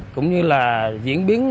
cũng như là diễn biến